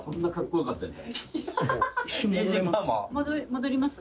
戻ります？